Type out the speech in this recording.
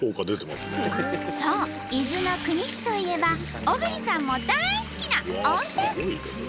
そう伊豆の国市といえば小栗さんも大好きな温泉！